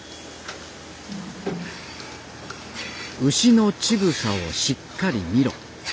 「牛の乳房をしっかり見ろ」。